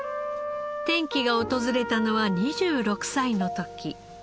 転機が訪れたのは２６歳の時。